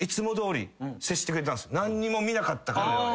何にも見なかったかのように。